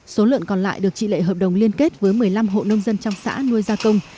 số lợn còn lại được chị lệ hợp đồng liên kết với một mươi năm hộ nông dân trong xã nuôi gia công